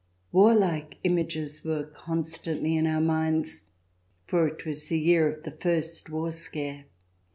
Warlike images were constantly in our minds, for it was the year of the first war scare.